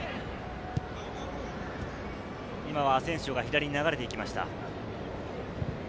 今はアセンシオが左に流れていきました。